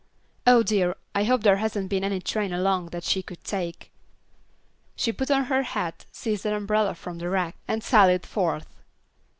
"Oh, dear, I hope there hasn't been any train along that she could take." She put on her hat, seized an umbrella from the rack, and sallied forth.